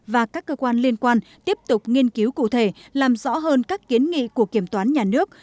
và các cơ quan liên quan tiếp tục nghiên cứu cụ thể làm rõ hơn các kiến nghị của kiểm toán nhà nước